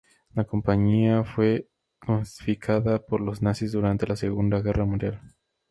La compañía fue confiscada por los Nazis durante la Segunda Guerra Mundial.